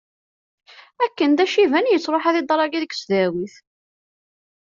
Akken d aciban, yettruḥ ad idṛagi deg tesdawit.